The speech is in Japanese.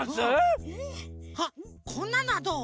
あこんなのはどう？